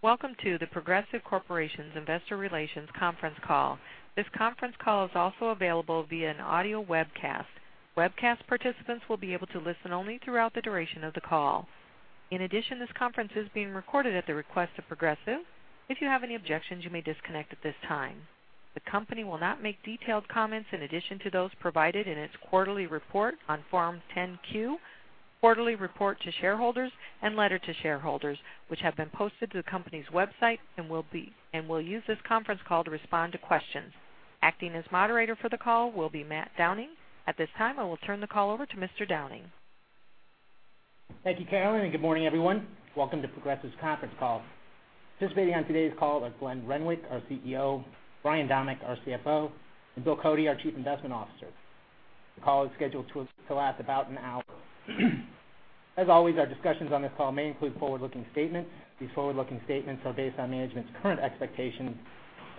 Welcome to The Progressive Corporation's Investor Relations Conference Call. This conference call is also available via an audio webcast. Webcast participants will be able to listen only throughout the duration of the call. In addition, this conference is being recorded at the request of Progressive. If you have any objections, you may disconnect at this time. The company will not make detailed comments in addition to those provided in its quarterly report on Form 10-Q, quarterly report to shareholders, and letter to shareholders, which have been posted to the company's website, and will use this conference call to respond to questions. Acting as moderator for the call will be Matt Downing. At this time, I will turn the call over to Mr. Downing. Thank you, Carolyn. Good morning, everyone. Welcome to Progressive's conference call. Participating on today's call are Glenn Renwick, our CEO, Brian Domeck, our CFO, and Bill Cody, our chief investment officer. The call is scheduled to last about an hour. As always, our discussions on this call may include forward-looking statements. These forward-looking statements are based on management's current expectations.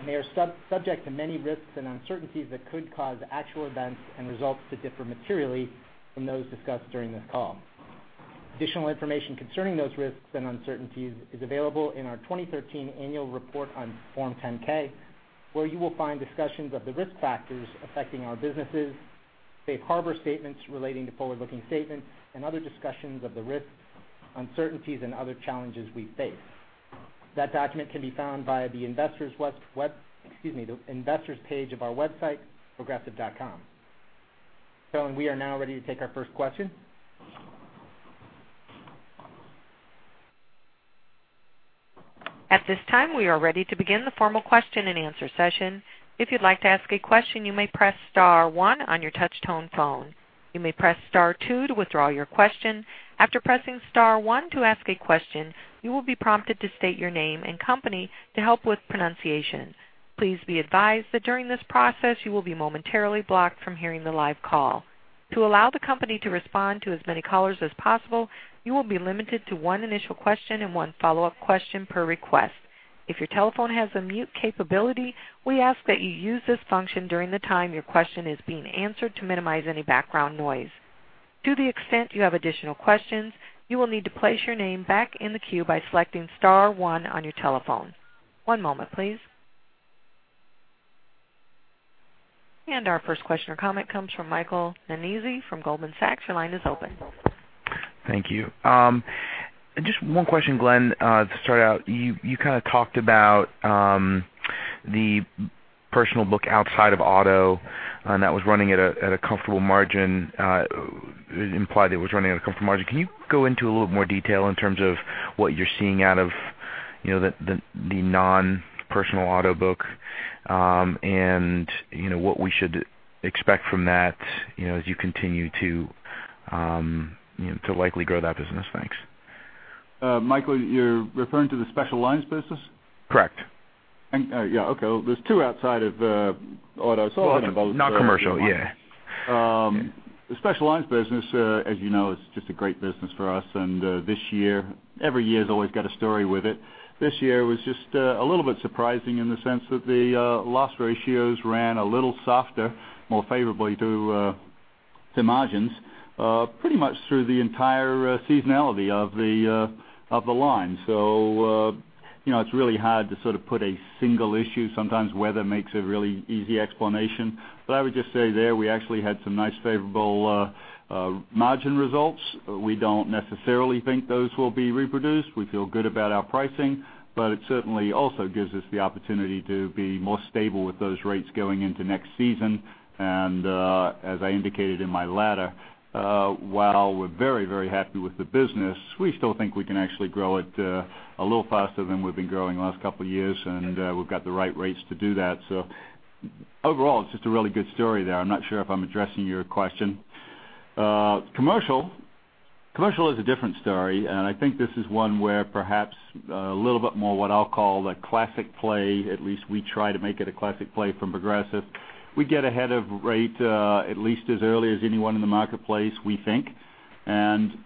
They are subject to many risks and uncertainties that could cause actual events and results to differ materially from those discussed during this call. Additional information concerning those risks and uncertainties is available in our 2013 annual report on Form 10-K, where you will find discussions of the risk factors affecting our businesses, safe harbor statements relating to forward-looking statements, and other discussions of the risks, uncertainties, and other challenges we face. That document can be found via the investors page of our website, progressive.com. We are now ready to take our first question. At this time, we are ready to begin the formal question and answer session. If you'd like to ask a question, you may press star one on your touch tone phone. You may press star two to withdraw your question. After pressing star one to ask a question, you will be prompted to state your name and company to help with pronunciation. Please be advised that during this process, you will be momentarily blocked from hearing the live call. To allow the company to respond to as many callers as possible, you will be limited to one initial question and one follow-up question per request. If your telephone has a mute capability, we ask that you use this function during the time your question is being answered to minimize any background noise. To the extent you have additional questions, you will need to place your name back in the queue by selecting star one on your telephone. One moment please. Our first question or comment comes from Michael Nannizzi from Goldman Sachs. Your line is open. Thank you. Just one question, Glenn, to start out. You kind of talked about the personal book outside of auto, and that implied it was running at a comfortable margin. Can you go into a little more detail in terms of what you're seeing out of the non-personal auto book, and what we should expect from that as you continue to likely grow that business? Thanks. Michael, you're referring to the special lines business? Correct. Yeah. Okay. There's two outside of auto. Non-commercial. Yeah. It's really hard to sort of put a single issue. Sometimes weather makes a really easy explanation. I would just say there, we actually had some nice favorable margin results. We don't necessarily think those will be reproduced. We feel good about our pricing, but it certainly also gives us the opportunity to be more stable with those rates going into next season. As I indicated in my letter, while we're very happy with the business, we still think we can actually grow it a little faster than we've been growing the last couple of years. We've got the right rates to do that. Overall, it's just a really good story there. I'm not sure if I'm addressing your question. Commercial is a different story, I think this is one where perhaps a little bit more what I'll call the classic play. At least we try to make it a classic play from Progressive. We get ahead of rate at least as early as anyone in the marketplace, we think.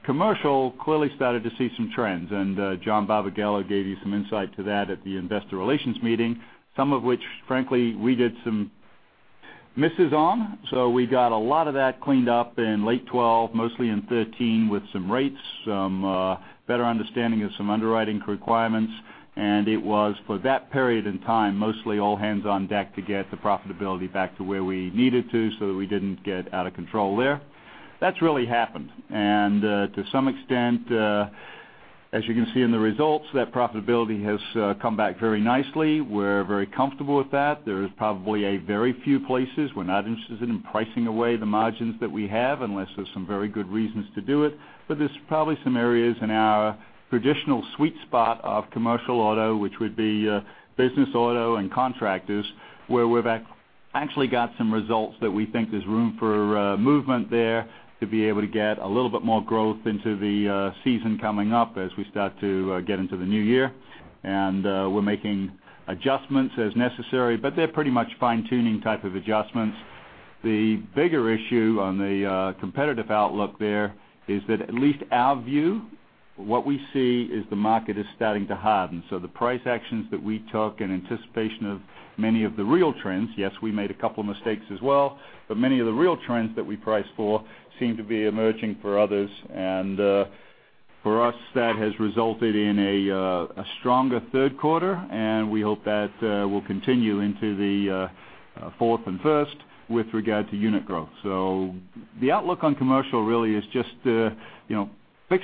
Commercial clearly started to see some trends, and John Barbagallo gave you some insight to that at the investor relations meeting, some of which, frankly, we did some misses on. We got a lot of that cleaned up in late 2012, mostly in 2013, with some rates, some better understanding of some underwriting requirements. It was for that period in time, mostly all hands on deck to get the profitability back to where we needed to so that we didn't get out of control there. That's really happened. To some extent, as you can see in the results, that profitability has come back very nicely. We're very comfortable with that. There is probably a very few places we're not interested in pricing away the margins that we have unless there's some very good reasons to do it. There's probably some areas in our traditional sweet spot of commercial auto, which would be business auto and contractors, where we've actually got some results that we think there's room for movement there to be able to get a little bit more growth into the season coming up as we start to get into the new year. We're making adjustments as necessary, but they're pretty much fine-tuning type of adjustments. The bigger issue on the competitive outlook there is that at least our view, what we see is the market is starting to harden. The price actions that we took in anticipation of many of the real trends, yes, we made a couple mistakes as well, but many of the real trends that we priced for seem to be emerging for others. For us, that has resulted in a stronger third quarter, and we hope that will continue into the fourth and first with regard to unit growth. The outlook on commercial really is just fix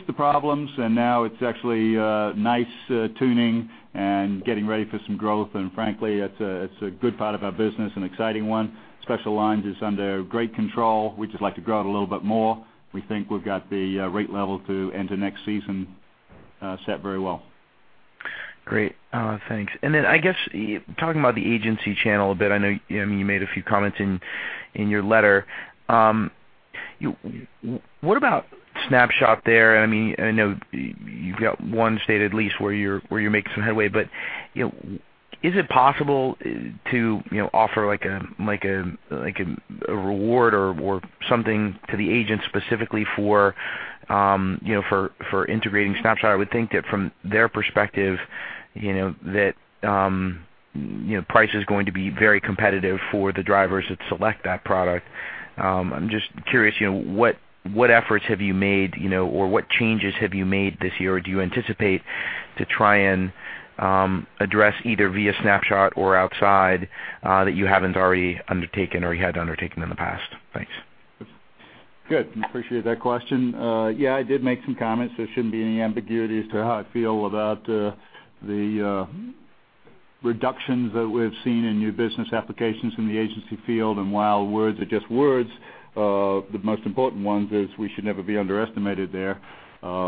the problems, and now it's actually fine-tuning and getting ready for some growth. Frankly, it's a good part of our business, an exciting one. Special lines is under great control. We'd just like to grow it a little bit more. We think we've got the rate level to enter next season set very well. Great. Thanks. Then, I guess, talking about the agency channel a bit, I know you made a few comments in your letter. What about Snapshot there? I know you've got one state at least where you're making some headway, but is it possible to offer a reward or something to the agent specifically for integrating Snapshot? I would think that from their perspective, that price is going to be very competitive for the drivers that select that product. I'm just curious, what efforts have you made or what changes have you made this year, or do you anticipate to try and address either via Snapshot or outside, that you haven't already undertaken or you had undertaken in the past? Thanks. Good. Appreciate that question. I did make some comments. There shouldn't be any ambiguity as to how I feel about the reductions that we've seen in new business applications in the agency field. While words are just words, the most important ones is we should never be underestimated there.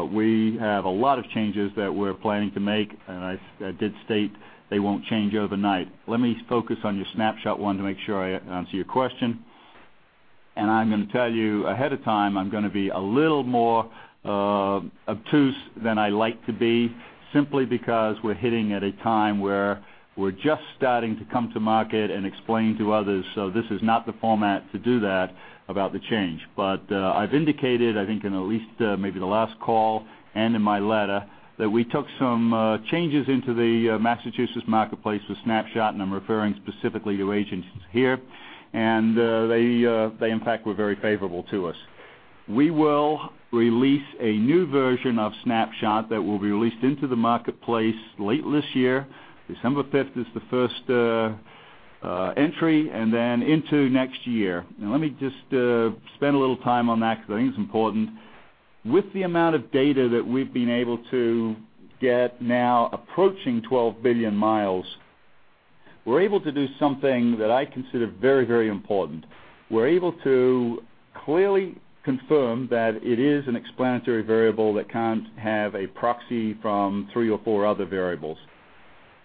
We have a lot of changes that we're planning to make, and I did state they won't change overnight. Let me focus on your Snapshot one to make sure I answer your question. I'm going to tell you ahead of time, I'm going to be a little more obtuse than I like to be, simply because we're hitting at a time where we're just starting to come to market and explain to others, so this is not the format to do that about the change. I've indicated, I think in at least maybe the last call and in my letter, that we took some changes into the Massachusetts marketplace with Snapshot, and I'm referring specifically to agents here. They, in fact, were very favorable to us. We will release a new version of Snapshot that will be released into the marketplace late this year. December 5th is the first entry, and then into next year. Let me just spend a little time on that because I think it's important. With the amount of data that we've been able to get now approaching 12 billion miles, we're able to do something that I consider very important. We're able to clearly confirm that it is an explanatory variable that can't have a proxy from three or four other variables.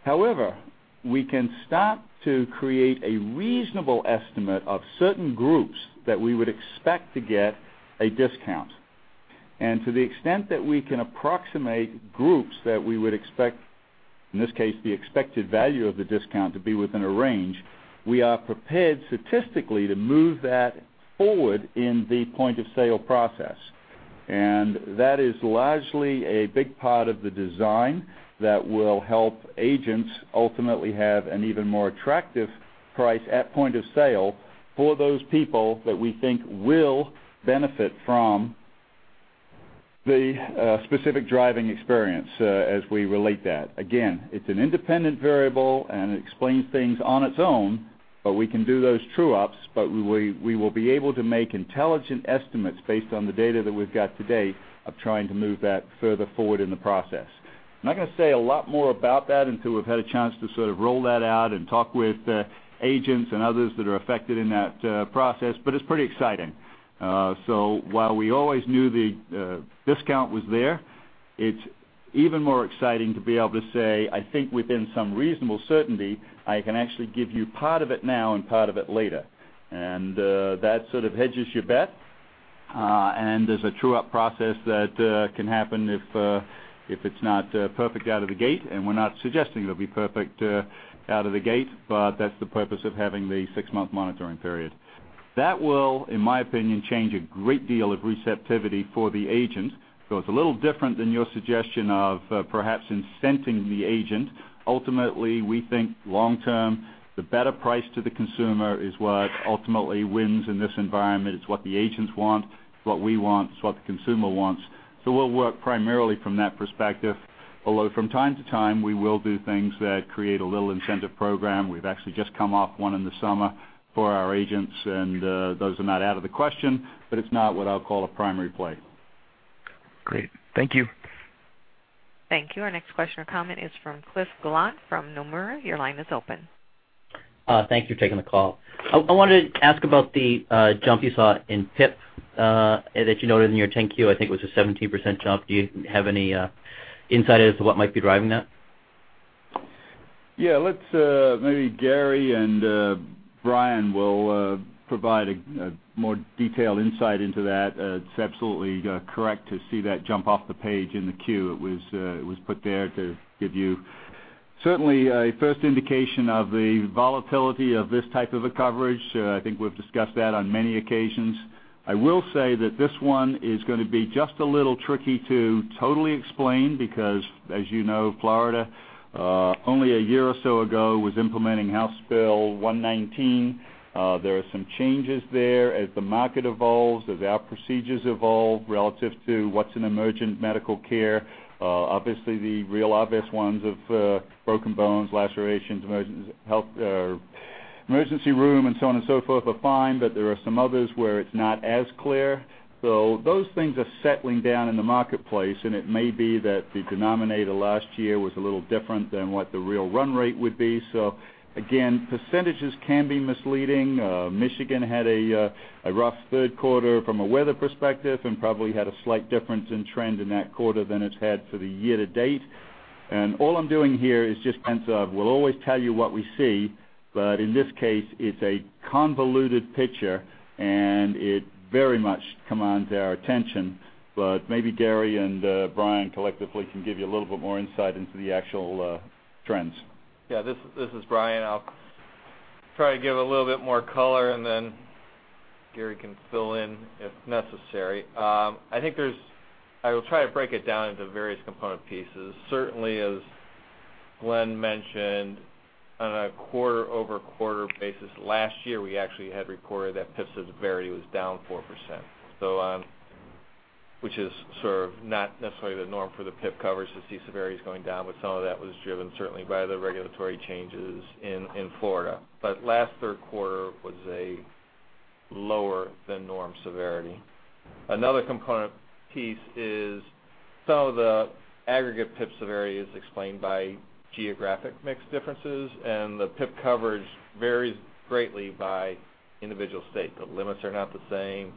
However, we can start to create a reasonable estimate of certain groups that we would expect to get a discount. To the extent that we can approximate groups that we would expect, in this case, the expected value of the discount to be within a range, we are prepared statistically to move that forward in the point of sale process. That is largely a big part of the design that will help agents ultimately have an even more attractive price at point of sale for those people that we think will benefit from the specific driving experience as we relate that. Again, it's an independent variable, and it explains things on its own, but we can do those true-ups. We will be able to make intelligent estimates based on the data that we've got today of trying to move that further forward in the process. I'm not going to say a lot more about that until we've had a chance to sort of roll that out and talk with agents and others that are affected in that process, but it's pretty exciting. While we always knew the discount was there, it's even more exciting to be able to say, I think within some reasonable certainty, I can actually give you part of it now and part of it later. That sort of hedges your bet. There's a true-up process that can happen if it's not perfect out of the gate. We're not suggesting it'll be perfect out of the gate, but that's the purpose of having the six-month monitoring period. That will, in my opinion, change a great deal of receptivity for the agent. It's a little different than your suggestion of perhaps incenting the agent. Ultimately, we think long term, the better price to the consumer is what ultimately wins in this environment. It's what the agents want, it's what we want, it's what the consumer wants. We'll work primarily from that perspective. Although from time to time, we will do things that create a little incentive program. We've actually just come off one in the summer for our agents, and those are not out of the question, but it's not what I'll call a primary play. Great. Thank you. Thank you. Our next question or comment is from Cliff Gallant from Nomura. Your line is open. Thank you for taking the call. I wanted to ask about the jump you saw in PIP that you noted in your 10-Q. I think it was a 17% jump. Do you have any insight as to what might be driving that? Yeah, let's maybe Gary and Brian will provide a more detailed insight into that. It's absolutely correct to see that jump off the page in the Q. It was put there to give you certainly a first indication of the volatility of this type of a coverage. I think we've discussed that on many occasions. I will say that this one is going to be just a little tricky to totally explain because, as you know, Florida, only a year or so ago, was implementing House Bill 119. There are some changes there as the market evolves, as our procedures evolve relative to what's an emergent medical care. Obviously, the real obvious ones of broken bones, lacerations, Emergency room and so on and so forth are fine, but there are some others where it's not as clear. Those things are settling down in the marketplace, and it may be that the denominator last year was a little different than what the real run rate would be. Again, percentages can be misleading. Michigan had a rough third quarter from a weather perspective and probably had a slight difference in trend in that quarter than it's had for the year to date. All I'm doing here is just kind of, we'll always tell you what we see, but in this case, it's a convoluted picture, and it very much commands our attention. Maybe Gary and Brian collectively can give you a little bit more insight into the actual trends. Yeah, this is Brian. I'll try to give a little bit more color, and then Gary can fill in if necessary. I will try to break it down into various component pieces. Certainly, as Glenn mentioned, on a quarter-over-quarter basis, last year, we actually had reported that PIP severity was down 4%, which is sort of not necessarily the norm for the PIP coverage to see severities going down. Some of that was driven certainly by the regulatory changes in Florida. Last third quarter was a lower than norm severity. Another component piece is some of the aggregate PIP severity is explained by geographic mix differences, and the PIP coverage varies greatly by individual state. The limits are not the same,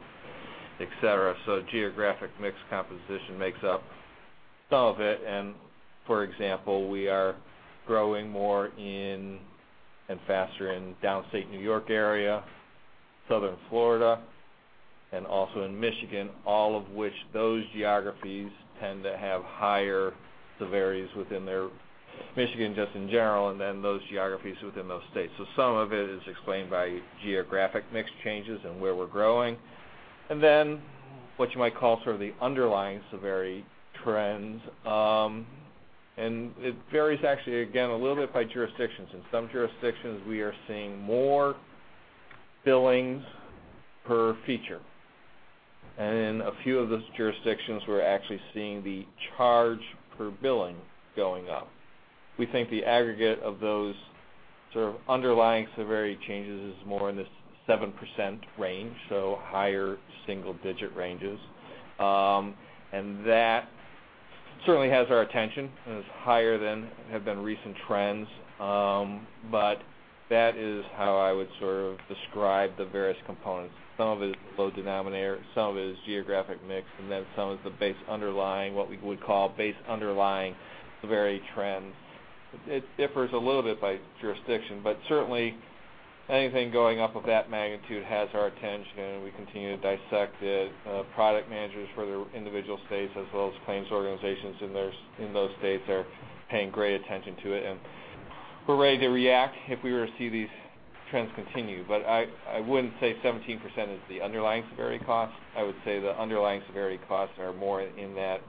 et cetera. Geographic mix composition makes up some of it. For example, we are growing more in and faster in downstate New York area, Southern Florida, and also in Michigan, all of which those geographies tend to have higher severities. Michigan, just in general, and then those geographies within those states. Some of it is explained by geographic mix changes and where we're growing. Then what you might call sort of the underlying severity trends. It varies actually, again, a little bit by jurisdictions. In some jurisdictions, we are seeing more billings per feature. In a few of those jurisdictions, we're actually seeing the charge per billing going up. We think the aggregate of those sort of underlying severity changes is more in this 7% range, so higher single-digit ranges. That certainly has our attention, and it's higher than have been recent trends. That is how I would sort of describe the various components. Some of it is low denominator, some of it is geographic mix, and then some of the base underlying, what we would call base underlying severity trends. It differs a little bit by jurisdiction, but certainly anything going up of that magnitude has our attention, and we continue to dissect it. Product managers for the individual states as well as claims organizations in those states are paying great attention to it, and we're ready to react if we were to see these trends continue. But I wouldn't say 17% is the underlying severity cost. I would say the underlying severity costs are more in that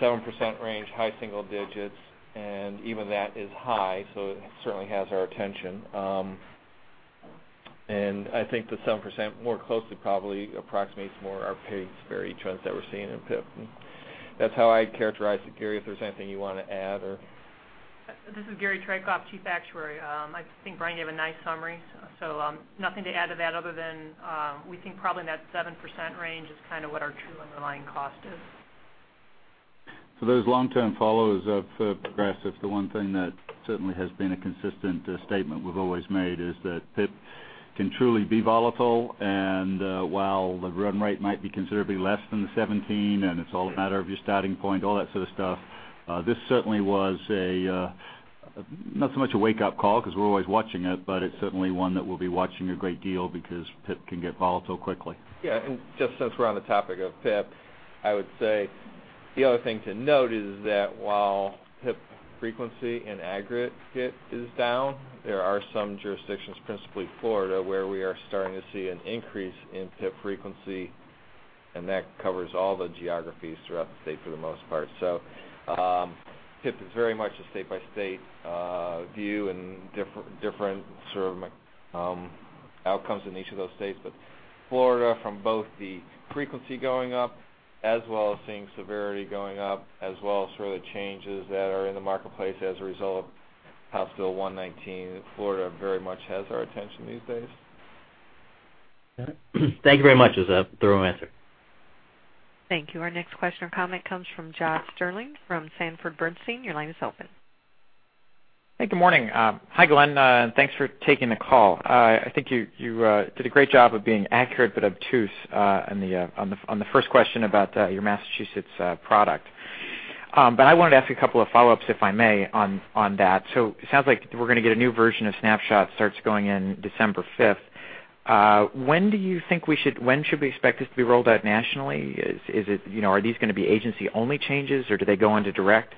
7% range, high single digits, and even that is high, so it certainly has our attention. I think the 7% more closely probably approximates more our paid severity trends that we're seeing in PIP. That's how I'd characterize it. Gary, if there's anything you want to add or This is Gary Traicoff, Chief Actuary. I think Brian gave a nice summary. Nothing to add to that other than we think probably in that 7% range is kind of what our true underlying cost is. For those long-term followers of Progressive, the one thing that certainly has been a consistent statement we've always made is that PIP can truly be volatile, and while the run rate might be considerably less than the 17%, and it's all a matter of your starting point, all that sort of stuff, this certainly was a, not so much a wake-up call because we're always watching it, but it's certainly one that we'll be watching a great deal because PIP can get volatile quickly. Just since we're on the topic of PIP, I would say the other thing to note is that while PIP frequency in aggregate is down, there are some jurisdictions, principally Florida, where we are starting to see an increase in PIP frequency, and that covers all the geographies throughout the state for the most part. PIP is very much a state-by-state view and different sort of outcomes in each of those states. Florida, from both the frequency going up as well as seeing severity going up as well as sort of the changes that are in the marketplace as a result of House Bill 119, Florida very much has our attention these days. Got it. Thank you very much. That was a thorough answer. Thank you. Our next question or comment comes from Josh Shanker from Sanford C. Bernstein. Your line is open. Hey, good morning. Hi, Glenn. Thanks for taking the call. I think you did a great job of being accurate but obtuse on the first question about your Massachusetts product. I wanted to ask a couple of follow-ups, if I may, on that. It sounds like we're going to get a new version of Snapshot starts going in December 5th. When should we expect this to be rolled out nationally? Are these going to be agency-only changes, or do they go into direct?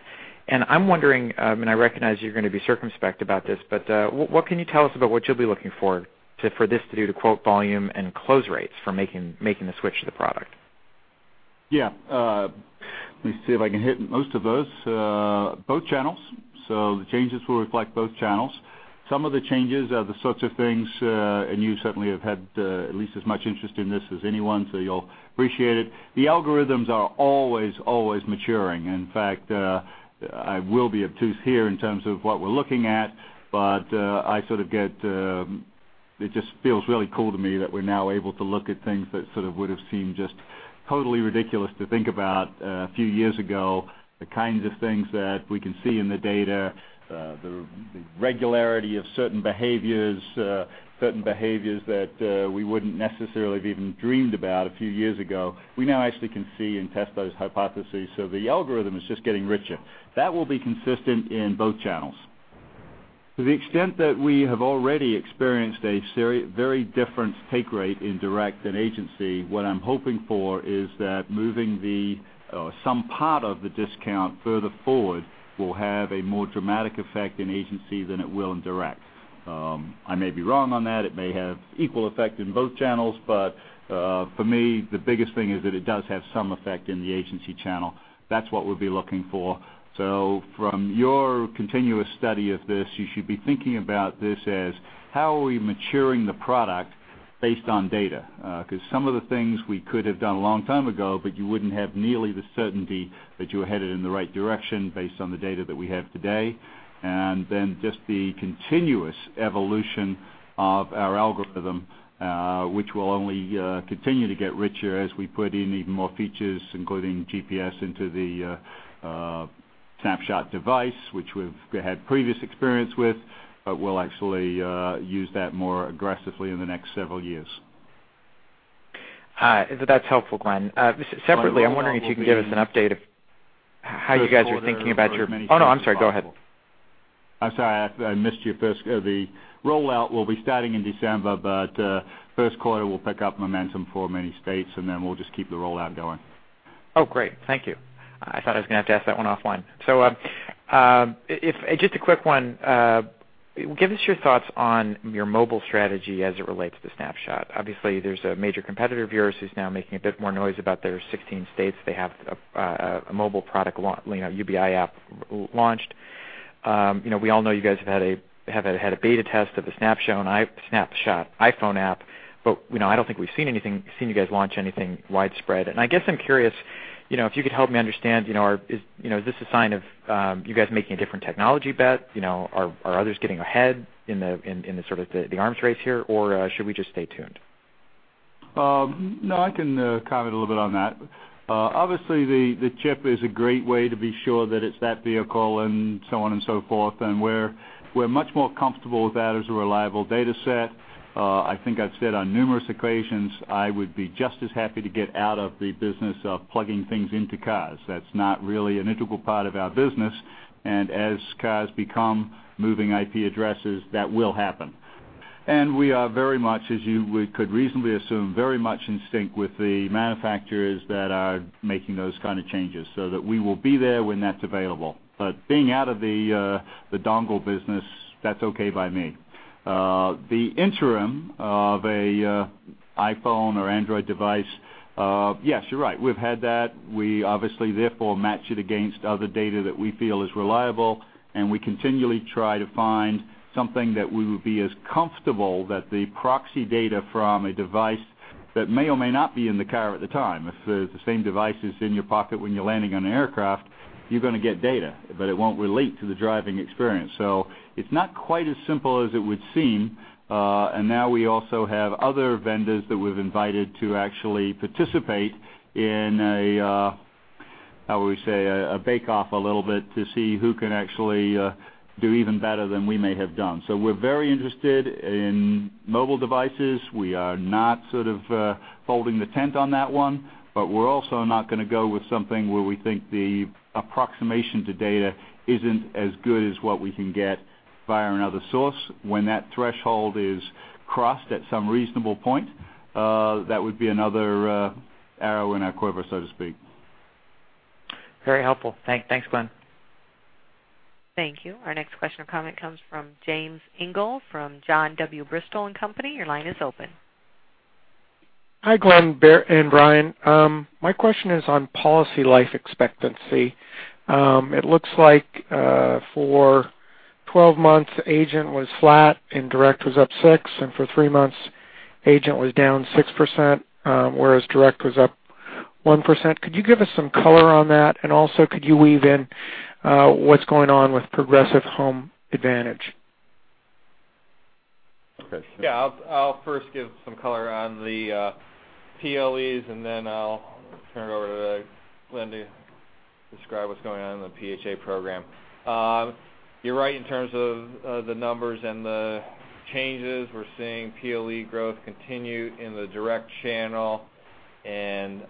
I'm wondering, and I recognize you're going to be circumspect about this, but what can you tell us about what you'll be looking for this to do to quote volume and close rates for making the switch to the product? Yeah. Let me see if I can hit most of those. Both channels. The changes will reflect both channels. Some of the changes are the sorts of things, and you certainly have had at least as much interest in this as anyone, so you'll appreciate it. The algorithms are always maturing. In fact, I will be obtuse here in terms of what we're looking at, but it just feels really cool to me that we're now able to look at things that would've seemed just totally ridiculous to think about a few years ago. The kinds of things that we can see in the data, the regularity of certain behaviors, certain behaviors that we wouldn't necessarily have even dreamed about a few years ago, we now actually can see and test those hypotheses. The algorithm is just getting richer. That will be consistent in both channels. To the extent that we have already experienced a very different take rate in direct and agency, what I'm hoping for is that moving some part of the discount further forward will have a more dramatic effect in agency than it will in direct. I may be wrong on that. It may have equal effect in both channels, but, for me, the biggest thing is that it does have some effect in the agency channel. That's what we'll be looking for. From your continuous study of this, you should be thinking about this as how are we maturing the product based on data? Because some of the things we could have done a long time ago, but you wouldn't have nearly the certainty that you are headed in the right direction based on the data that we have today. Then just the continuous evolution of our algorithm, which will only continue to get richer as we put in even more features, including GPS into the Snapshot device, which we've had previous experience with, but we'll actually use that more aggressively in the next several years. That's helpful, Glenn. Separately, I'm wondering if you can give us an update of how you guys are thinking about Oh, no, I'm sorry. Go ahead. I'm sorry. I missed your first. The rollout will be starting in December, but first quarter will pick up momentum for many states, and then we'll just keep the rollout going. Oh, great. Thank you. I thought I was going to have to ask that one offline. Just a quick one. Give us your thoughts on your mobile strategy as it relates to Snapshot. Obviously, there's a major competitor of yours who's now making a bit more noise about their 16 states. They have a mobile product, UBI app launched. We all know you guys have had a beta test of the Snapshot iPhone app. I don't think we've seen you guys launch anything widespread. I guess I'm curious, if you could help me understand, is this a sign of you guys making a different technology bet? Are others getting ahead in the arms race here, or should we just stay tuned? I can comment a little bit on that. Obviously, the chip is a great way to be sure that it's that vehicle and so on and so forth, and we're much more comfortable with that as a reliable data set. I think I've said on numerous occasions, I would be just as happy to get out of the business of plugging things into cars. That's not really an integral part of our business, and as cars become moving IP addresses, that will happen. We are very much, as you could reasonably assume, very much in sync with the manufacturers that are making those kind of changes so that we will be there when that's available. Being out of the dongle business, that's okay by me. The interim of an iPhone or Android device, yes, you're right. We've had that. We obviously therefore match it against other data that we feel is reliable, and we continually try to find something that we would be as comfortable that the proxy data from a device that may or may not be in the car at the time. If the same device is in your pocket when you're landing on an aircraft, you're going to get data, but it won't relate to the driving experience. It's not quite as simple as it would seem. We also have other vendors that we've invited to actually participate in a, how would we say, a bake-off a little bit to see who can actually do even better than we may have done. We're very interested in mobile devices. We are not sort of folding the tent on that one, we're also not going to go with something where we think the approximation to data isn't as good as what we can get via another source. When that threshold is crossed at some reasonable point, that would be another arrow in our quiver, so to speak. Very helpful. Thanks, Glenn. Thank you. Our next question or comment comes from James Engle from John W. Bristol & Co., Inc. Your line is open. Hi, Glenn and Brian. My question is on policy life expectancy. It looks like, for 12 months, agent was flat and direct was up 6%, for three months, agent was down 6%, whereas direct was up 1%. Could you give us some color on that? Also, could you weave in what's going on with Progressive Home Advantage? Okay. I'll first give some color on the PLEs, then I'll turn it over to Glenn to describe what's going on in the PHA program. You're right in terms of the numbers and the changes. We're seeing PLE growth continue in the direct channel and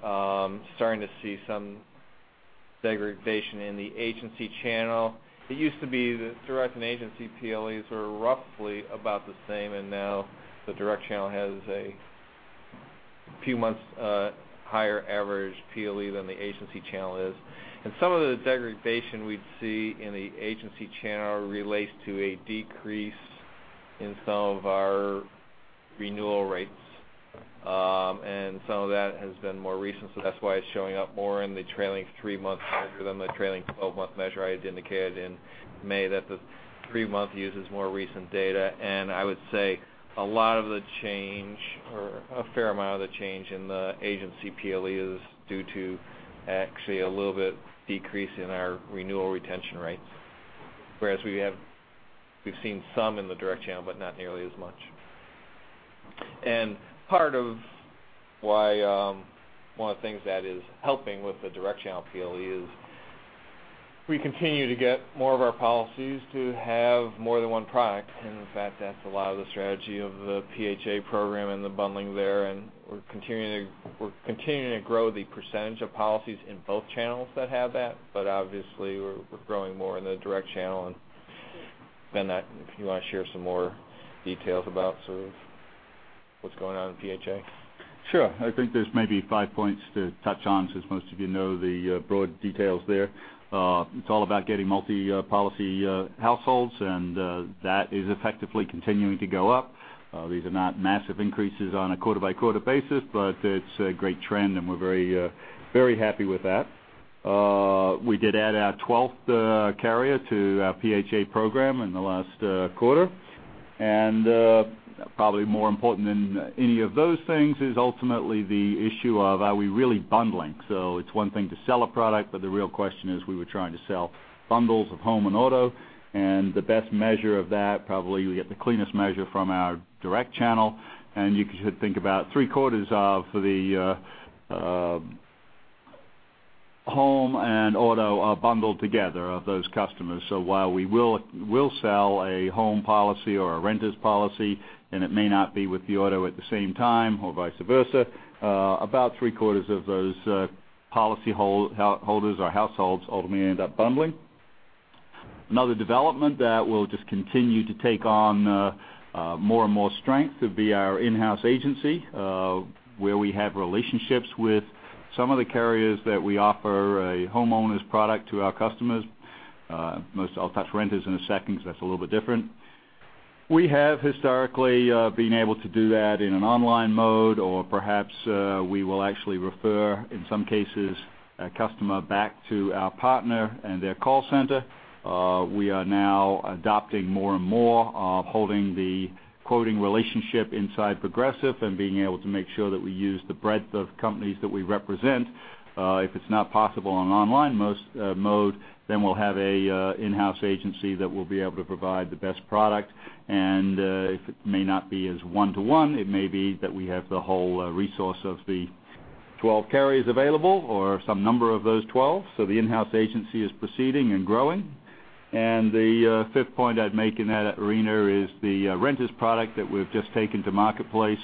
starting to see some degradation in the agency channel. It used to be that direct and agency PLEs were roughly about the same, now the direct channel has a few months higher average PLE than the agency channel is. Some of the degradation we'd see in the agency channel relates to a decrease in some of our renewal rates. Some of that has been more recent, so that's why it's showing up more in the trailing three-month measure than the trailing 12-month measure. I had indicated in May that the 3-month uses more recent data. I would say a lot of the change or a fair amount of the change in the agency PLE is due to actually a little bit decrease in our renewal retention rates. We've seen some in the direct channel, but not nearly as much. Part of one of the things that is helping with the direct channel PLE is we continue to get more of our policies to have more than one product. In fact, that's a lot of the strategy of the PHA program and the bundling there, and we're continuing to grow the percentage of policies in both channels that have that, but obviously, we're growing more in the direct channel. If you want to share some more details about sort of what's going on in PHA. Sure. I think there's maybe five points to touch on since most of you know the broad details there. It's all about getting multi-policy households, and that is effectively continuing to go up. These are not massive increases on a quarter-by-quarter basis, but it's a great trend, and we're very happy with that. We did add our 12th carrier to our PHA program in the last quarter. Probably more important than any of those things is ultimately the issue of are we really bundling. It's one thing to sell a product, but the real question is we were trying to sell bundles of home and auto. The best measure of that, probably we get the cleanest measure from our direct channel. You could think about three quarters of the home and auto are bundled together of those customers. While we will sell a home policy or a renter's policy, and it may not be with the auto at the same time or vice versa, about three quarters of those policy holders or households ultimately end up bundling. Another development that will just continue to take on more and more strength would be our in-house agency where we have relationships with some of the carriers that we offer a homeowner's product to our customers. I'll touch renters in a second because that's a little bit different. We have historically been able to do that in an online mode or perhaps we will actually refer, in some cases, a customer back to our partner and their call center. We are now adopting more and more of holding the quoting relationship inside Progressive and being able to make sure that we use the breadth of companies that we represent. If it's not possible on online mode, we'll have an in-house agency that will be able to provide the best product. If it may not be as one-to-one, it may be that we have the whole resource of the 12 carriers available or some number of those 12. The in-house agency is proceeding and growing. The fifth point I'd make in that arena is the renters product that we've just taken to marketplace.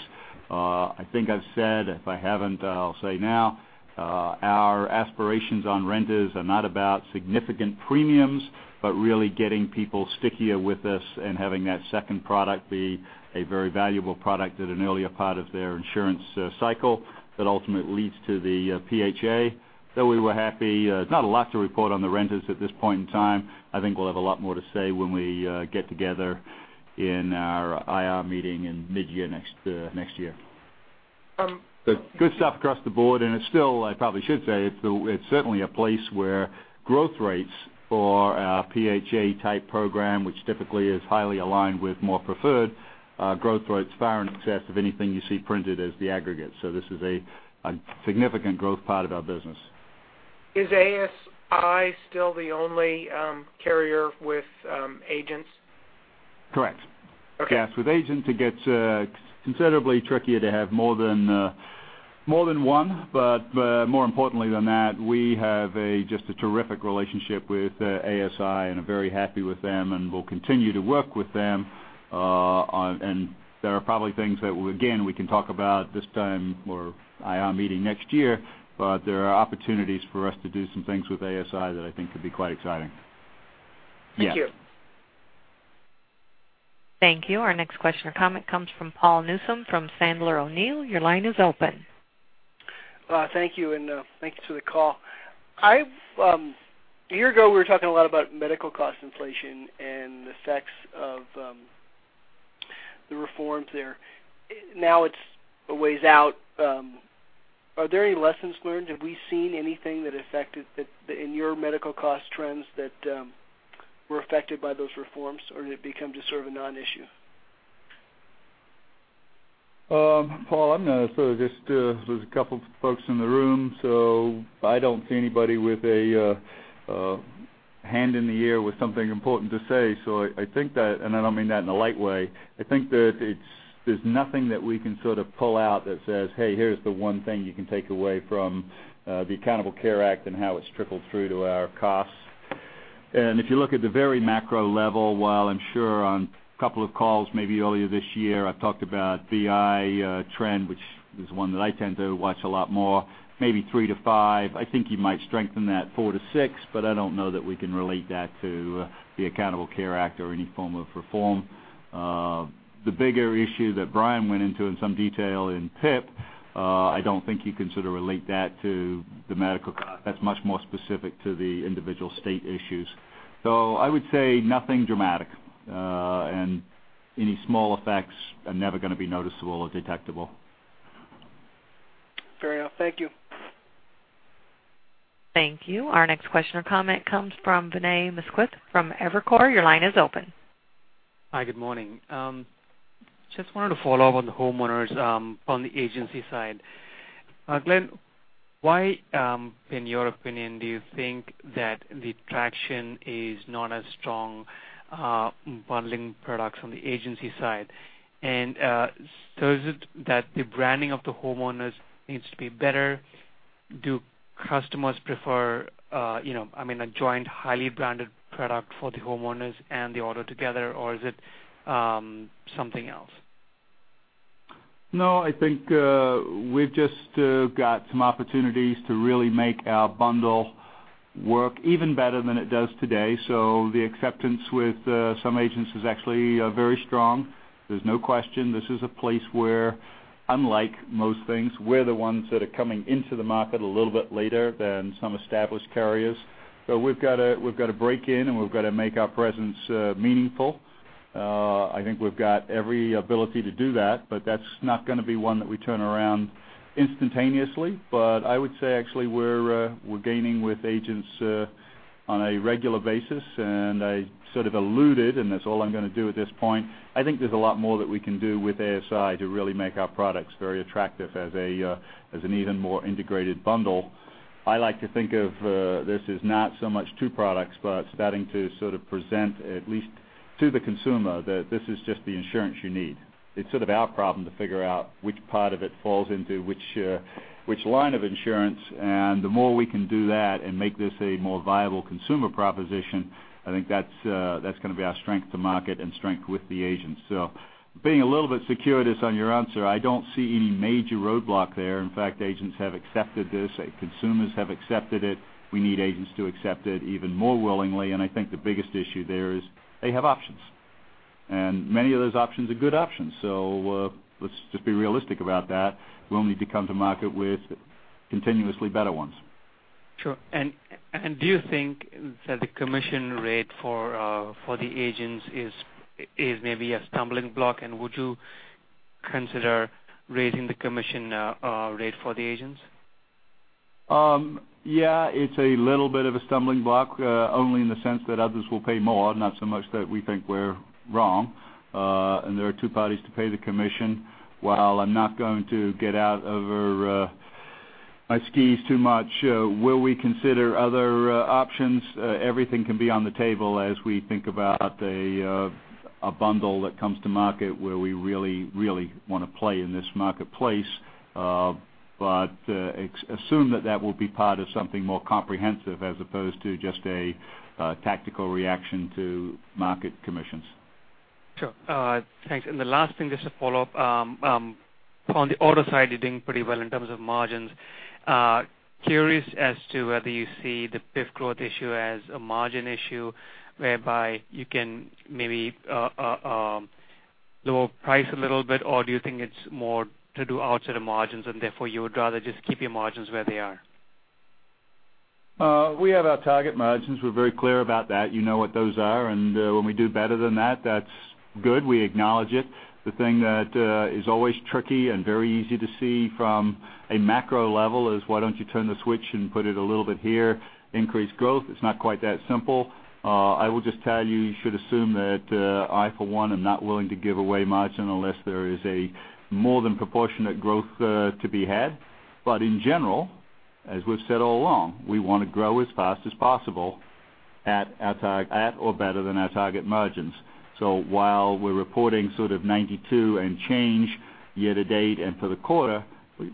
I think I've said, if I haven't, I'll say now, our aspirations on renters are not about significant premiums, but really getting people stickier with us and having that second product be a very valuable product at an earlier part of their insurance cycle that ultimately leads to the PHA. We were happy. There's not a lot to report on the renters at this point in time. I think we'll have a lot more to say when we get together in our IR meeting in mid-year next year. Good stuff across the board, and it's still, I probably should say, it's certainly a place where growth rates for our PHA type program, which typically is highly aligned with more preferred growth rates far in excess of anything you see printed as the aggregate. This is a significant growth part of our business. Is ASI still the only carrier with agents? Correct. Okay. Yes. With agents, it gets considerably trickier to have more than one. More importantly than that, we have just a terrific relationship with ASI and are very happy with them, and we'll continue to work with them. There are probably things that, again, we can talk about this time or IR meeting next year, but there are opportunities for us to do some things with ASI that I think could be quite exciting. Thank you. Yes. Thank you. Our next question or comment comes from Paul Newsome from Sandler O'Neill. Your line is open. Thank you. Thanks for the call. A year ago, we were talking a lot about medical cost inflation and the effects of the reforms there. Now it's a ways out. Are there any lessons learned? Have we seen anything in your medical cost trends that were affected by those reforms, or did it become just sort of a non-issue? Paul, I'm going to sort of just, there's a couple folks in the room. I don't see anybody with a hand in the air with something important to say. I think that, I don't mean that in a light way, I think that there's nothing that we can sort of pull out that says, "Hey, here's the one thing you can take away from the Affordable Care Act and how it's trickled through to our costs." If you look at the very macro level, while I'm sure on a couple of calls maybe earlier this year, I've talked about BI trend, which is one that I tend to watch a lot more, maybe three to five. I think you might strengthen that four to six, but I don't know that we can relate that to the Affordable Care Act or any form of reform. The bigger issue that Brian went into in some detail in PIP, I don't think you can sort of relate that to the medical cost. That's much more specific to the individual state issues. I would say nothing dramatic. Any small effects are never going to be noticeable or detectable. Fair enough. Thank you. Thank you. Our next question or comment comes from Vinay Misquith from Evercore. Your line is open. Hi, good morning. Just wanted to follow up on the homeowners from the agency side. Glenn, why, in your opinion, do you think that the traction is not as strong bundling products on the agency side? Is it that the branding of the homeowners needs to be better? Do customers prefer a joint highly branded product for the homeowners and the auto together? Is it something else? I think we've just got some opportunities to really make our bundle work even better than it does today. The acceptance with some agents is actually very strong. There's no question this is a place where, unlike most things, we're the ones that are coming into the market a little bit later than some established carriers. We've got to break in, and we've got to make our presence meaningful. I think we've got every ability to do that, but that's not going to be one that we turn around instantaneously. I would say, actually, we're gaining with agents on a regular basis, and I sort of alluded, and that's all I'm going to do at this point. I think there's a lot more that we can do with ASI to really make our products very attractive as an even more integrated bundle. I like to think of this as not so much two products, but starting to sort of present, at least to the consumer, that this is just the insurance you need. It's sort of our problem to figure out which part of it falls into which line of insurance. The more we can do that and make this a more viable consumer proposition, I think that's going to be our strength to market and strength with the agents. Being a little bit circuitous on your answer, I don't see any major roadblock there. In fact, agents have accepted this. Consumers have accepted it. We need agents to accept it even more willingly. I think the biggest issue there is they have options. Many of those options are good options, so let's just be realistic about that. We'll need to come to market with continuously better ones. Sure. Do you think that the commission rate for the agents is maybe a stumbling block? Would you consider raising the commission rate for the agents? Yeah, it's a little bit of a stumbling block, only in the sense that others will pay more, not so much that we think we're wrong. There are two parties to pay the commission. While I'm not going to get out over my skis too much, will we consider other options? Everything can be on the table as we think about a bundle that comes to market where we really want to play in this marketplace. Assume that will be part of something more comprehensive as opposed to just a tactical reaction to market commissions. Sure. Thanks. The last thing, just to follow up. On the auto side, you're doing pretty well in terms of margins. Curious as to whether you see the PIF growth issue as a margin issue, whereby you can maybe lower price a little bit, or do you think it's more to do outside of margins and therefore you would rather just keep your margins where they are? We have our target margins. We're very clear about that. You know what those are, and when we do better than that's good. We acknowledge it. The thing that is always tricky and very easy to see from a macro level is why don't you turn the switch and put it a little bit here, increase growth. It's not quite that simple. I will just tell you should assume that I, for one, am not willing to give away margin unless there is a more than proportionate growth to be had. In general, as we've said all along, we want to grow as fast as possible at or better than our target margins. While we're reporting sort of 92 and change year-to-date and for the quarter,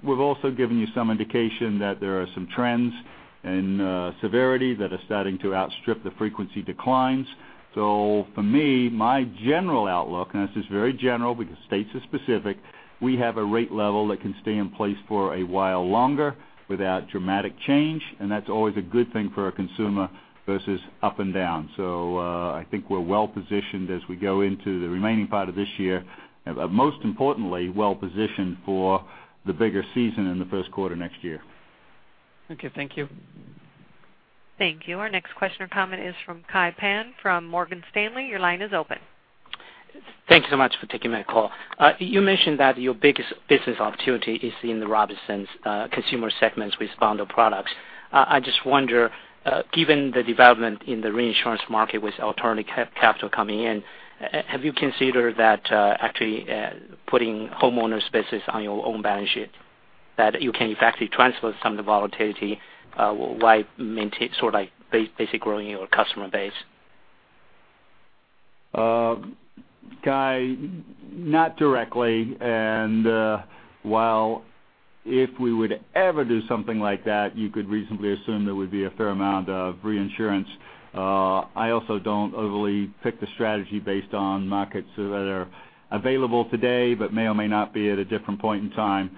we've also given you some indication that there are some trends in severity that are starting to outstrip the frequency declines. For me, my general outlook, and this is very general because states are specific, we have a rate level that can stay in place for a while longer without dramatic change, and that's always a good thing for a consumer versus up and down. I think we're well positioned as we go into the remaining part of this year, most importantly, well positioned for the bigger season in the first quarter next year. Okay, thank you. Thank you. Our next question or comment is from Kai Pan from Morgan Stanley. Your line is open. Thank you so much for taking my call. You mentioned that your biggest business opportunity is in the Robinsons consumer segments with bundle products. I just wonder, given the development in the reinsurance market with alternative capital coming in, have you considered that actually putting homeowners business on your own balance sheet, that you can effectively transfer some of the volatility while maintaining sort of like basic growing your customer base? Kai, not directly. While if we would ever do something like that, you could reasonably assume there would be a fair amount of reinsurance. I also don't overly pick the strategy based on markets that are available today but may or may not be at a different point in time.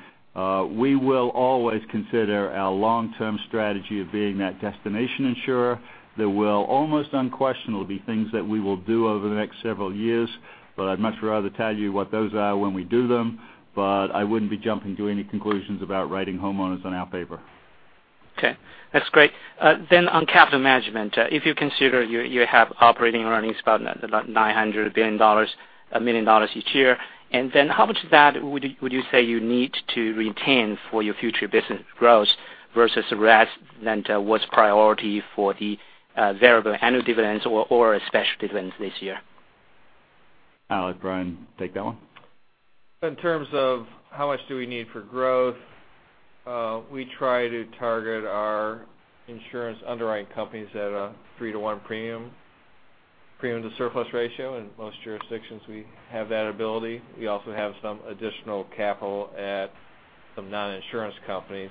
We will always consider our long-term strategy of being that destination insurer. There will almost unquestionably be things that we will do over the next several years, but I'd much rather tell you what those are when we do them. I wouldn't be jumping to any conclusions about writing homeowners on our paper. Okay, that's great. On capital management, if you consider you have operating earnings about $900 million each year, then how much of that would you say you need to retain for your future business growth versus the rest than what's priority for the variable annual dividends or special dividends this year? I'll let Brian take that one. In terms of how much do we need for growth, we try to target our insurance underwriting companies at a 3 to 1 premium to surplus ratio. In most jurisdictions, we have that ability. We also have some additional capital at some non-insurance companies.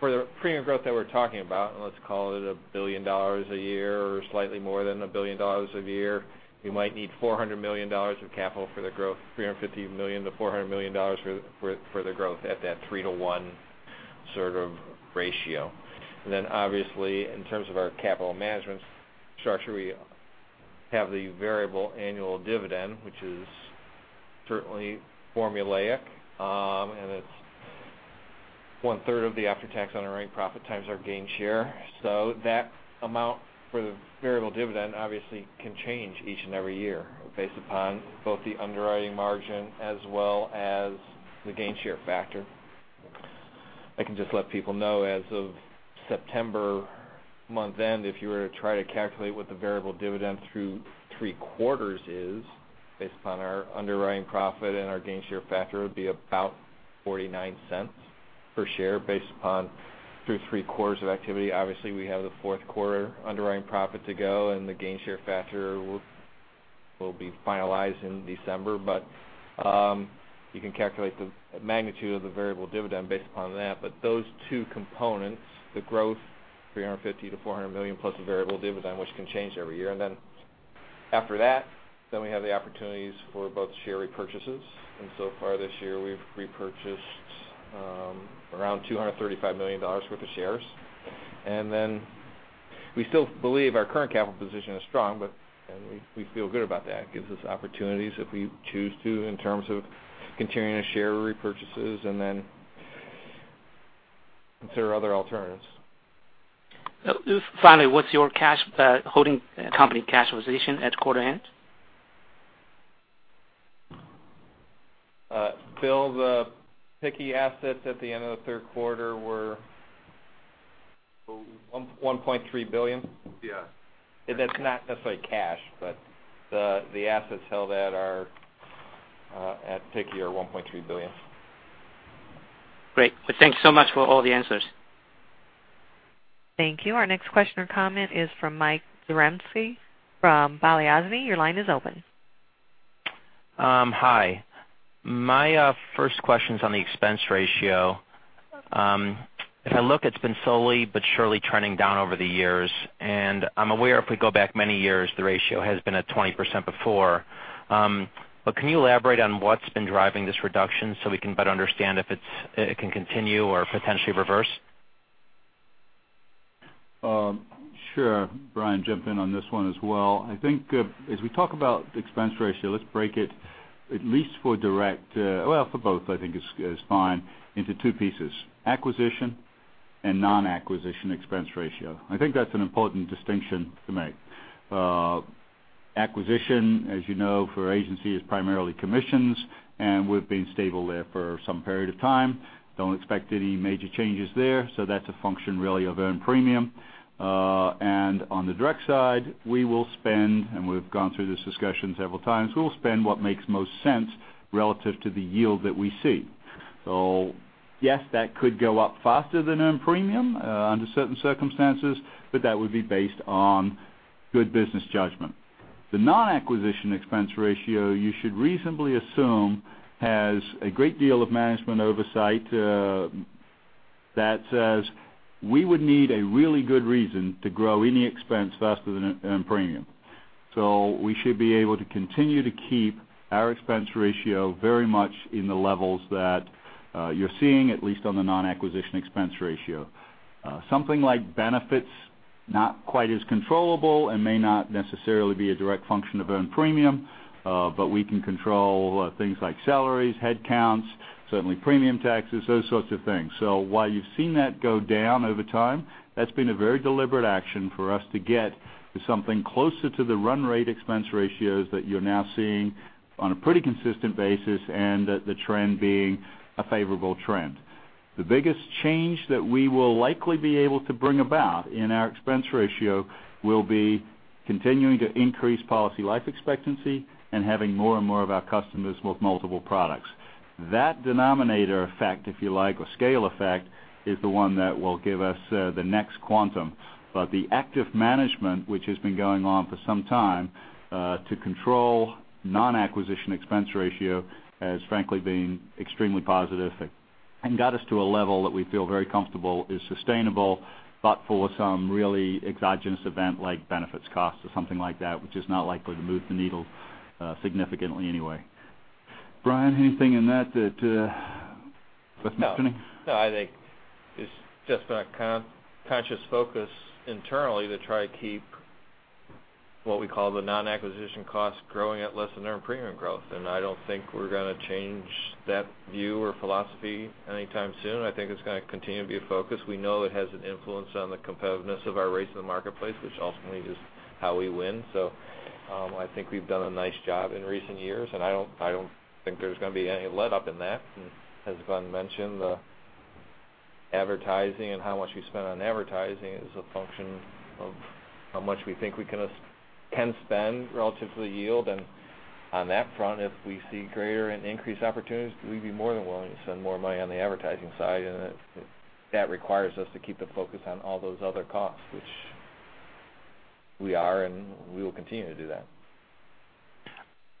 For the premium growth that we're talking about, let's call it $1 billion a year or slightly more than $1 billion a year, we might need $400 million of capital for the growth, $350 million-$400 million for the growth at that 3 to 1 sort of ratio. Then obviously, in terms of our capital management structure, we have the variable annual dividend, which is certainly formulaic, and it's one third of the after-tax underwriting profit times our gain share. That amount for the variable dividend obviously can change each and every year based upon both the underwriting margin as well as the gain share factor. I can just let people know as of September month end, if you were to try to calculate what the variable dividend through three quarters is based upon our underwriting profit and our gain share factor, it would be about $0.49 per share based upon through three quarters of activity. Obviously, we have the fourth quarter underwriting profit to go, and the gain share factor will be finalized in December. You can calculate the magnitude of the variable dividend based upon that. Those two components, the growth, $350 million-$400 million plus the variable dividend, which can change every year. Then after that, then we have the opportunities for both share repurchases. So far this year, we've repurchased around $235 million worth of shares. Then we still believe our current capital position is strong, and we feel good about that. It gives us opportunities if we choose to, in terms of continuing the share repurchases and then consider other alternatives. Finally, what's your holding company capitalization at quarter end? Bill, the PICCI assets at the end of the third quarter were $1.3 billion. Yeah. That's not necessarily cash, but the assets held at PICCI are $1.3 billion. Great. Well, thanks so much for all the answers. Thank you. Our next question or comment is from Michael Zaremski from Valeo Zemi. Your line is open. Hi. My first question's on the expense ratio. If I look, it's been slowly but surely trending down over the years, and I'm aware if we go back many years, the ratio has been at 20% before. Can you elaborate on what's been driving this reduction so we can better understand if it can continue or potentially reverse? Sure. Brian, jump in on this one as well. I think as we talk about the expense ratio, let's break it at least for direct, well, for both, I think is fine, into two pieces, acquisition and non-acquisition expense ratio. I think that's an important distinction to make. Acquisition, as you know, for agency is primarily commissions, and we've been stable there for some period of time. Don't expect any major changes there. That's a function really of earned premium. On the direct side, we will spend, and we've gone through this discussion several times, we will spend what makes most sense relative to the yield that we see. Yes, that could go up faster than earned premium under certain circumstances, that would be based on good business judgment. The non-acquisition expense ratio, you should reasonably assume, has a great deal of management oversight that says we would need a really good reason to grow any expense faster than earned premium. We should be able to continue to keep our expense ratio very much in the levels that you're seeing, at least on the non-acquisition expense ratio. Something like benefits, not quite as controllable and may not necessarily be a direct function of earned premium, but we can control things like salaries, headcounts, certainly premium taxes, those sorts of things. While you've seen that go down over time, that's been a very deliberate action for us to get to something closer to the run rate expense ratios that you're now seeing on a pretty consistent basis, and the trend being a favorable trend. The biggest change that we will likely be able to bring about in our expense ratio will be continuing to increase policy life expectancy and having more and more of our customers with multiple products. That denominator effect, if you like, or scale effect, is the one that will give us the next quantum. The active management, which has been going on for some time, to control non-acquisition expense ratio, has frankly been extremely positive and got us to a level that we feel very comfortable is sustainable, but for some really exogenous event like benefits cost or something like that, which is not likely to move the needle significantly anyway. Brian, anything in that that's missing? No. I think it's just been a conscious focus internally to try to keep what we call the non-acquisition cost growing at less than earned premium growth. I don't think we're going to change that view or philosophy anytime soon. I think it's going to continue to be a focus. We know it has an influence on the competitiveness of our race in the marketplace, which ultimately is how we win. I think we've done a nice job in recent years. I don't think there's going to be any letup in that. As Glenn mentioned the Advertising and how much we spend on advertising is a function of how much we think we can spend relative to the yield. On that front, if we see greater and increased opportunities, we'd be more than willing to spend more money on the advertising side. That requires us to keep the focus on all those other costs, which we are. We will continue to do that.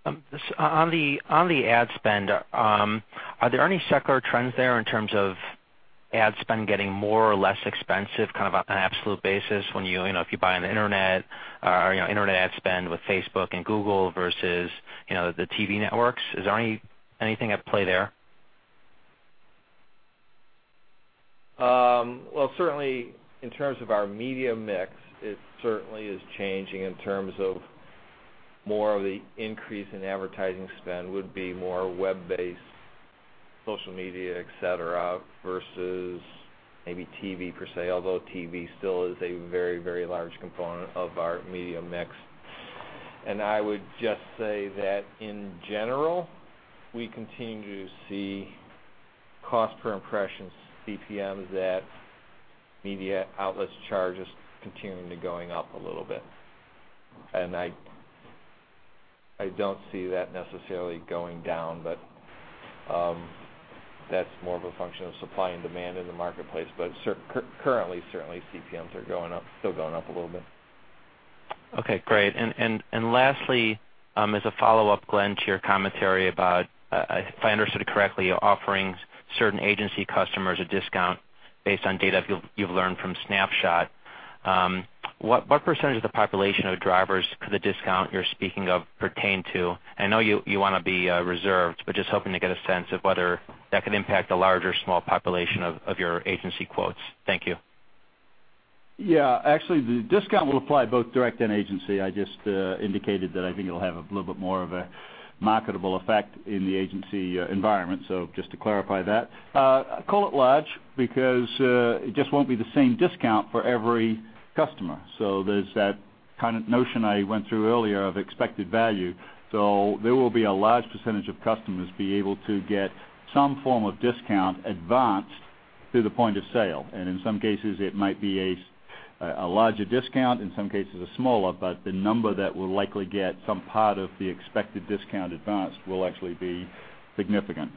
On the ad spend, are there any secular trends there in terms of ad spend getting more or less expensive, kind of on an absolute basis when if you buy on the internet or internet ad spend with Facebook and Google versus the TV networks? Is there anything at play there? Well, in terms of our media mix, it certainly is changing in terms of more of the increase in advertising spend would be more web-based, social media, et cetera, versus maybe TV per se, although TV still is a very large component of our media mix. I would just say that in general, we continue to see cost per impressions, CPMs that media outlets charge us continuing to going up a little bit. I don't see that necessarily going down, but that's more of a function of supply and demand in the marketplace. Currently, certainly, CPMs are still going up a little bit. Okay, great. Lastly, as a follow-up, Glenn, to your commentary about, if I understood it correctly, offering certain agency customers a discount based on data you've learned from Snapshot. What % of the population of drivers could the discount you're speaking of pertain to? I know you want to be reserved, but just hoping to get a sense of whether that could impact a large or small population of your agency quotes. Thank you. Yeah. Actually, the discount will apply both direct and agency. I just indicated that I think it'll have a little bit more of a marketable effect in the agency environment, so just to clarify that. I call it large because it just won't be the same discount for every customer. There's that kind of notion I went through earlier of expected value. There will be a large % of customers be able to get some form of discount advanced through the point of sale. In some cases, it might be a larger discount, in some cases a smaller, but the number that will likely get some part of the expected discount advanced will actually be significant.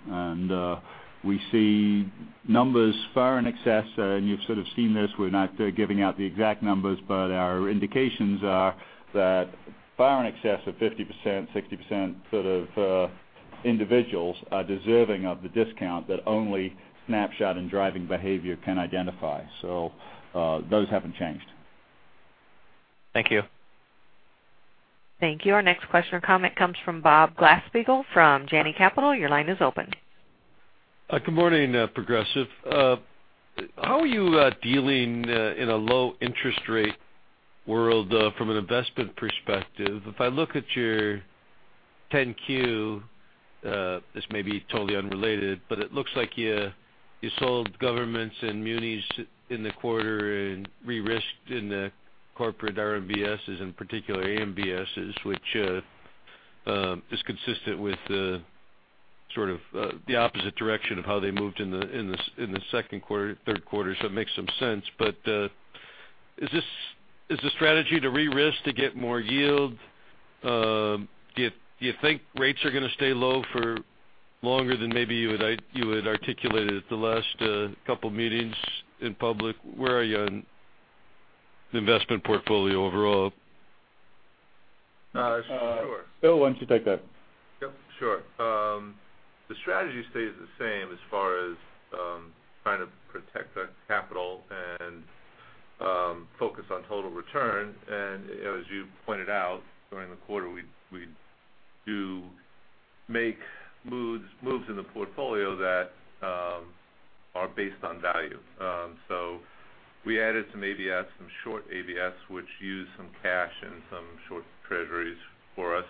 We see numbers far in excess, and you've sort of seen this. We're not giving out the exact numbers, but our indications are that far in excess of 50%, 60% sort of individuals are deserving of the discount that only Snapshot and driving behavior can identify. Those haven't changed. Thank you. Thank you. Our next question or comment comes from Bob Glasspiegel from Janney Capital. Your line is open. Good morning, Progressive. How are you dealing in a low interest rate world from an investment perspective? If I look at your 10-Q, this may be totally unrelated, but it looks like you sold governments and munis in the quarter and re-risked in the corporate RMBSs, in particular ABSs, which is consistent with the sort of the opposite direction of how they moved in the second quarter, third quarter. It makes some sense. Is the strategy to re-risk to get more yield? Do you think rates are going to stay low for longer than maybe you had articulated at the last couple of meetings in public? Where are you on the investment portfolio overall? Sure. Will, why don't you take that? Yep, sure. The strategy stays the same as far as trying to protect our capital and focus on total return. As you pointed out, during the quarter, we do make moves in the portfolio that are based on value. We added some ABS, some short ABS, which used some cash and some short Treasuries for us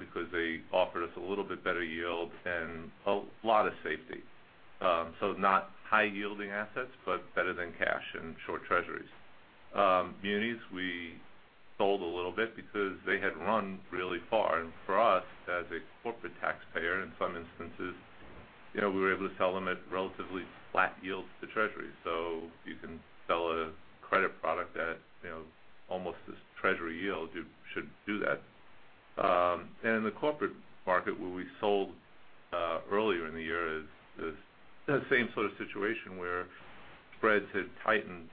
because they offered us a little bit better yield and a lot of safety. Not high yielding assets, but better than cash and short Treasuries. Munis, we sold a little bit because they had run really far. For us, as a corporate taxpayer, in some instances, we were able to sell them at relatively flat yields to Treasury. If you can sell a credit product at almost this Treasury yield, you should do that. The corporate market, where we sold earlier in the year is the same sort of situation where spreads had tightened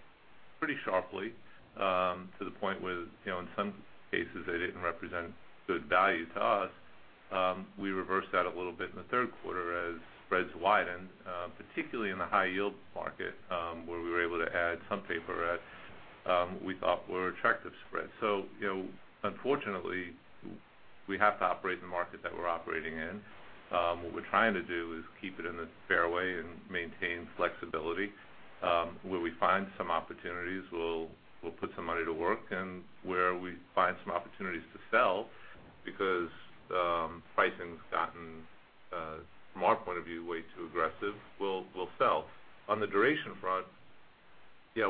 pretty sharply, to the point where, in some cases, they didn't represent good value to us. We reversed that a little bit in the third quarter as spreads widened, particularly in the high-yield market, where we were able to add some paper at what we thought were attractive spreads. Unfortunately, we have to operate in the market that we're operating in. What we're trying to do is keep it in the fairway and maintain flexibility. Where we find some opportunities, we'll put some money to work, and where we find some opportunities to sell because pricing's gotten, from our point of view, way too aggressive, we'll sell. On the duration front.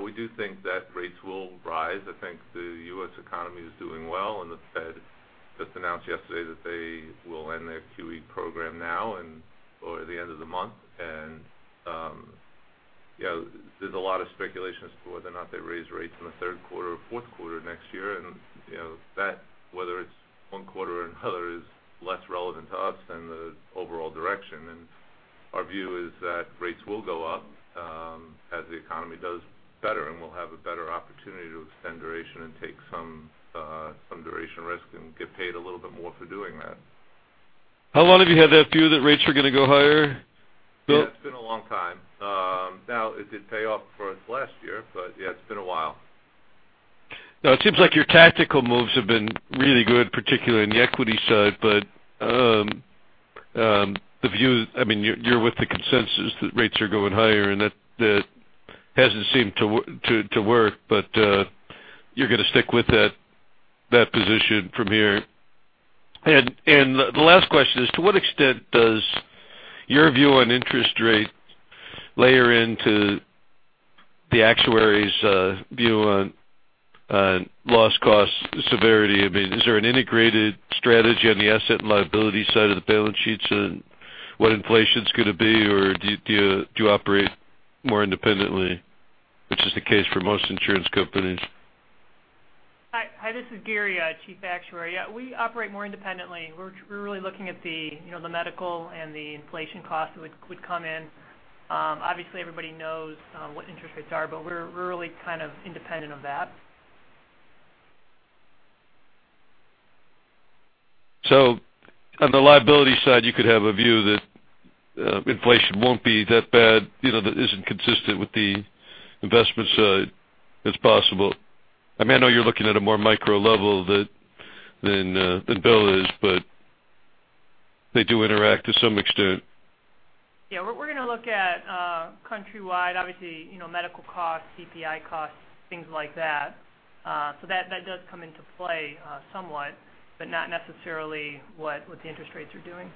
We do think that rates will rise. I think the U.S. economy is doing well, the Fed just announced yesterday that they will end their QE program now or the end of the month. There's a lot of speculation as to whether or not they raise rates in the third quarter or fourth quarter next year. That, whether it's one quarter or another, is less relevant to us than the overall direction. Our view is that rates will go up as the economy does better, and we'll have a better opportunity to extend duration and take some duration risk and get paid a little bit more for doing that. How long have you had that view that rates were going to go higher, Bill? It's been a long time. It did pay off for us last year, it's been a while. It seems like your tactical moves have been really good, particularly on the equity side. You're with the consensus that rates are going higher, and that hasn't seemed to work, but you're going to stick with that position from here. The last question is, to what extent does your view on interest rates layer into the actuaries' view on loss cost severity? Is there an integrated strategy on the asset and liability side of the balance sheets and what inflation's going to be, or do you operate more independently, which is the case for most insurance companies? Hi, this is Gary, Chief Actuary. We operate more independently. We're really looking at the medical and the inflation cost that would come in. Everybody knows what interest rates are, we're really kind of independent of that. On the liability side, you could have a view that inflation won't be that bad, that isn't consistent with the investment side. That's possible. I know you're looking at a more micro level than Bill is, they do interact to some extent. We're going to look at countrywide, obviously, medical costs, CPI costs, things like that. That does come into play somewhat, but not necessarily what the interest rates are doing.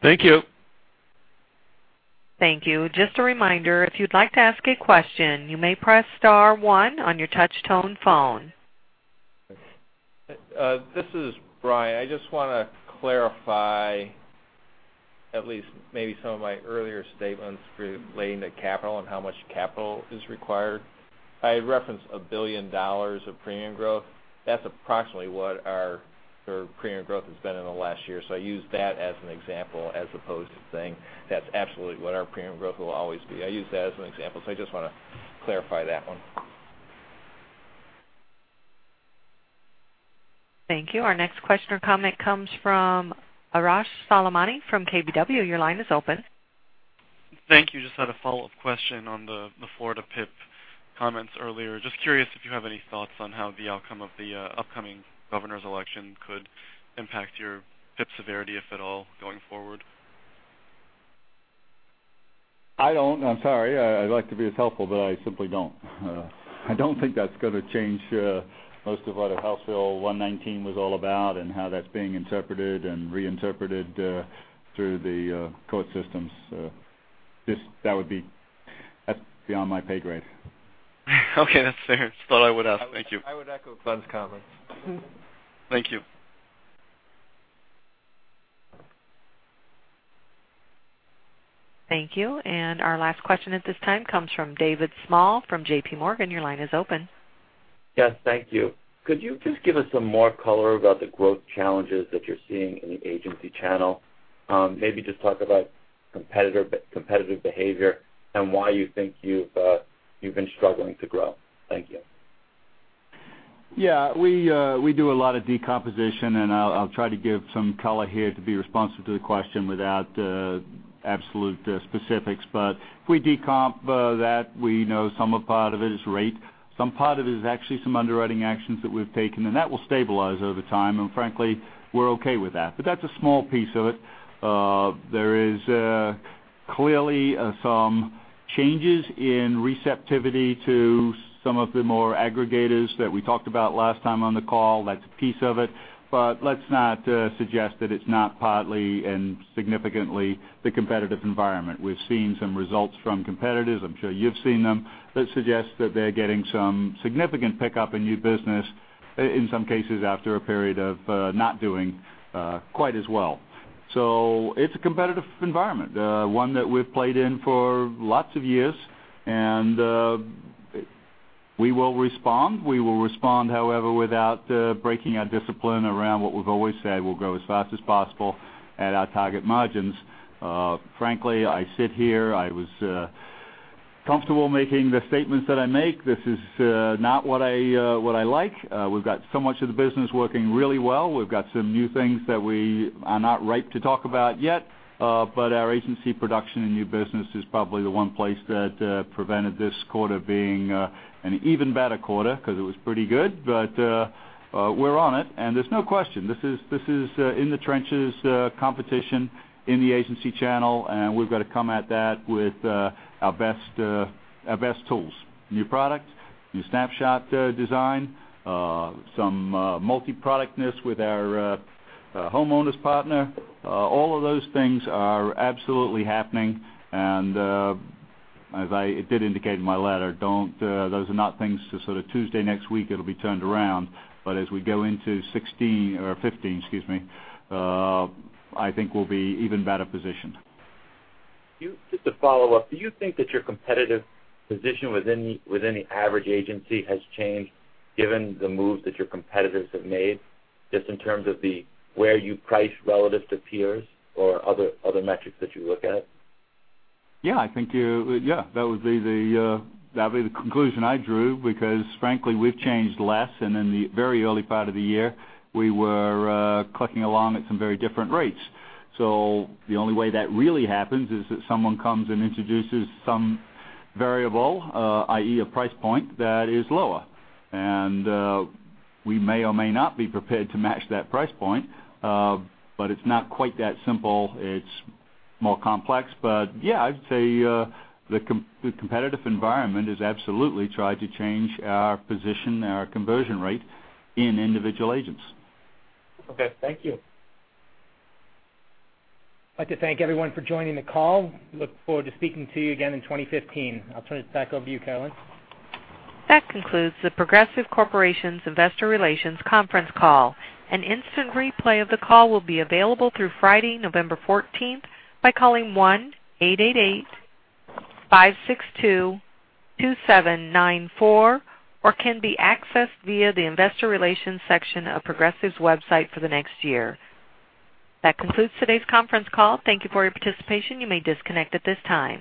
Thank you. Thank you. Just a reminder, if you'd like to ask a question, you may press star one on your touch-tone phone. This is Brian. I just want to clarify at least maybe some of my earlier statements relating to capital and how much capital is required. I referenced $1 billion of premium growth. That's approximately what our premium growth has been in the last year. I use that as an example as opposed to saying that's absolutely what our premium growth will always be. I use that as an example, I just want to clarify that one. Thank you. Our next question or comment comes from Arash Soleimani from KBW. Your line is open. Thank you. Just had a follow-up question on the Florida PIP comments earlier. Just curious if you have any thoughts on how the outcome of the upcoming governor's election could impact your PIP severity, if at all, going forward? I don't. I'm sorry. I'd like to be as helpful, but I simply don't. I don't think that's going to change most of what House Bill 119 was all about and how that's being interpreted and reinterpreted through the court systems. That's beyond my pay grade. Okay, that's fair. Just thought I would ask. Thank you. I would echo Glenn's comments. Thank you. Thank you. Our last question at this time comes from David Small from J.P. Morgan. Your line is open. Yes. Thank you. Could you just give us some more color about the growth challenges that you're seeing in the agency channel? Maybe just talk about competitive behavior and why you think you've been struggling to grow. Thank you. Yeah. We do a lot of decomposition, and I'll try to give some color here to be responsive to the question without absolute specifics. If we decomp that, we know some part of it is rate, some part of it is actually some underwriting actions that we've taken, and that will stabilize over time. Frankly, we're okay with that. That's a small piece of it. There is clearly some changes in receptivity to some of the more aggregators that we talked about last time on the call. That's a piece of it. Let's not suggest that it's not partly and significantly the competitive environment. We've seen some results from competitors, I'm sure you've seen them, that suggest that they're getting some significant pickup in new business, in some cases after a period of not doing quite as well. It's a competitive environment, one that we've played in for lots of years. We will respond. We will respond, however, without breaking our discipline around what we've always said. We'll go as fast as possible at our target margins. Frankly, I sit here, I was comfortable making the statements that I make. This is not what I like. We've got so much of the business working really well. We've got some new things that are not ripe to talk about yet. Our agency production in new business is probably the one place that prevented this quarter being an even better quarter because it was pretty good. We're on it, and there's no question this is in-the-trenches competition in the agency channel, and we've got to come at that with our best tools. New product, new Snapshot design, some multiproductness with our homeowners partner. All of those things are absolutely happening, as I did indicate in my letter, those are not things to sort of Tuesday next week it'll be turned around. As we go into 2016 or 2015, excuse me, I think we'll be even better positioned. Just to follow up, do you think that your competitive position within the average agency has changed given the moves that your competitors have made, just in terms of where you price relative to peers or other metrics that you look at? That would be the conclusion I drew because frankly, we've changed less, in the very early part of the year, we were clicking along at some very different rates. The only way that really happens is that someone comes and introduces some variable, i.e., a price point that is lower. We may or may not be prepared to match that price point. It's not quite that simple. It's more complex. I'd say the competitive environment has absolutely tried to change our position, our conversion rate in individual agents. Okay. Thank you. I'd like to thank everyone for joining the call. Look forward to speaking to you again in 2015. I'll turn it back over to you, Carolyn. That concludes The Progressive Corporation's Investor Relations Conference Call. An instant replay of the call will be available through Friday, November 14th by calling 1-888-562-2794 or can be accessed via the investor relations section of Progressive's website for the next year. That concludes today's conference call. Thank you for your participation. You may disconnect at this time.